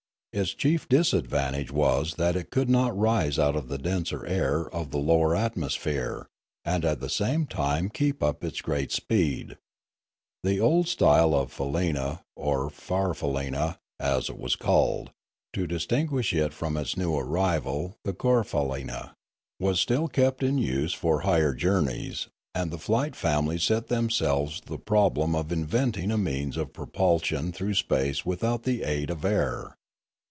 Its chief disadvantage was that it could not rise out of the denser air of the lower atmo sphere, and at the same time keep up its great speed. The old style of faleena, or farfaleena, as it was called, to distinguish it from its new rival, the corfaleeua, was still kept in use for higher journeys, and the flight families set themselves the problem of inventing a means of propulsion through space without the aid of air.